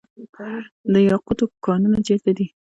د یاقوتو کانونه چیرته دي؟